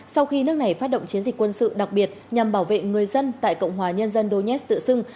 sau khi nước này phát động chiến dịch quân sự đặc biệt nhằm bảo vệ người dân tại cộng hòa nhân dân does tự xưng